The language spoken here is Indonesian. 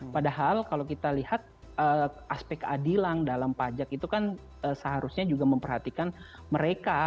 padahal kalau kita lihat aspek keadilan dalam pajak itu kan seharusnya juga memperhatikan mereka